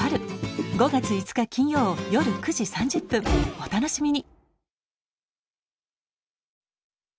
お楽しみに！